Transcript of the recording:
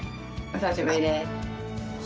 お久しぶりです。